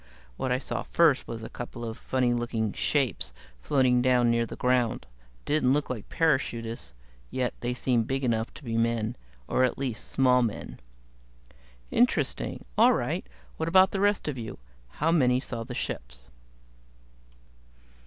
What I saw first was a couple of funny looking shapes floating down near the ground. Didn't look like parachutists, yet they seemed big enough to be men or at least, small men." "Interesting. All right, what about the rest of you? How many saw the ships?"